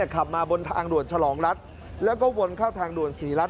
ขับมาบนทางด่วนฉลองรัฐแล้วก็วนเข้าทางด่วนศรีรัฐ